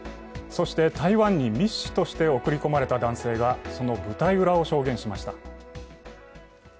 そして台湾に密使として送りこまれた男性がその舞台裏を証言しました。